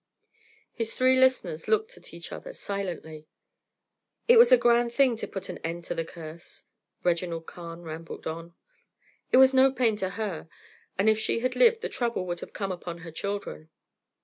His three listeners looked at each other silently. "It was a grand thing to put an end to the curse," Reginald Carne rambled on. "It was no pain to her; and if she had lived, the trouble would have come upon her children."